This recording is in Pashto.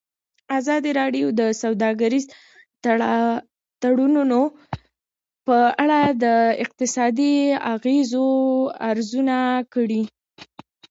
ازادي راډیو د سوداګریز تړونونه په اړه د اقتصادي اغېزو ارزونه کړې.